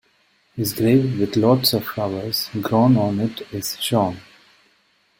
His grave with lots of flowers grown on it is shown.